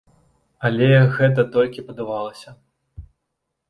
Але гэта толькі падавалася.